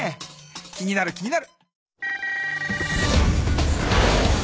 気になる気になる。